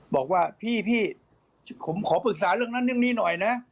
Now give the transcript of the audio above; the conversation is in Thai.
บอกว่าพี่ผมขอปรึกษาเรื่องนี้หน่อยนะ